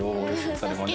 それもね。